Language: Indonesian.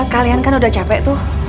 kalian kan udah capek tuh